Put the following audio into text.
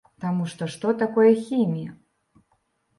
Таму што што такое хімія?